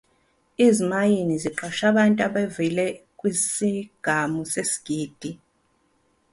Izimayini ziqashe abantu abevile kwisigamu sesigidi.